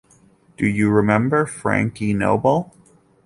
Do you remember Frankie Noble?